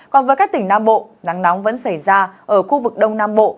còn với các tỉnh nam bộ nắng nóng vẫn xảy ra ở khu vực đông nam bộ